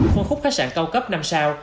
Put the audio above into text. phương khúc khách sạn cao cấp năm sao